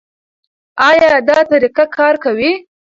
ایا دا طریقه کار کوي؟